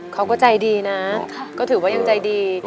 เขาก็ใจดีนะก็ถือว่ายังใจดี